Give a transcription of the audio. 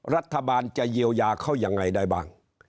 รัฐบาลจะเยียวยาเขายังไงได้บ้าง